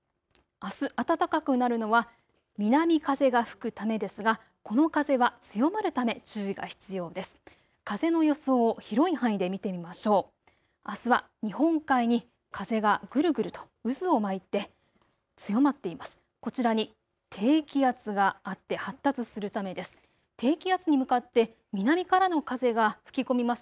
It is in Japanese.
あす暖かくなるのは南風が吹くためですがこの風は強まるため注意が必要です。